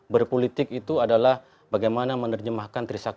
berpolitik itu adalah bagaimana menerjemahkan krisis akal